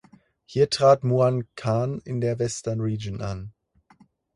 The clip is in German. Hier trat Muangkan in der Western Region an.